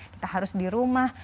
kita harus di rumah